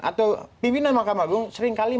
atau pimpinan mahkamah agung seringkali